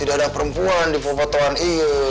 sudah ada perempuan di popot tuhan iya